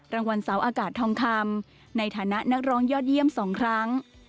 รางวัลเสาอากาศทองคำในฐานะนักร้องยอดเยี่ยม๒ครั้ง